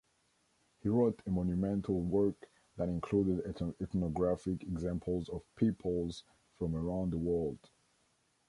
He wrote a monumental work that included ethnographic examples of peoples from around the world.